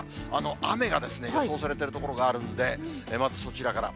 雨が予想されている所があるんで、まずそちらから。